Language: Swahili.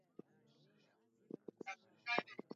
wanapomnyonya damu mnyama mzima kiafya